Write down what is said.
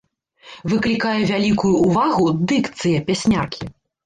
Выклікае вялікую ўвагу дыкцыя пясняркі.